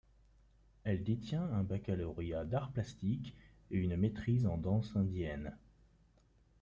Elle détient un baccalauréat d'arts plastiques, et une maîtrise en danse indienne.